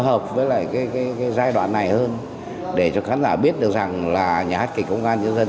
hợp với lại cái giai đoạn này hơn để cho khán giả biết được rằng là nhà hát kịch công an nhân dân